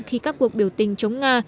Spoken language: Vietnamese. khi các cuộc biểu tình chống nga